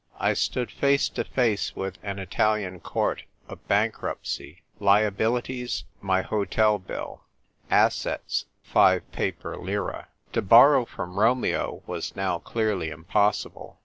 I stood face to face with an Italian court of bankruptcy ; liabilities, my hotel bill ; assets, five paper lire. To borrow from Romeo was now clearly impossible.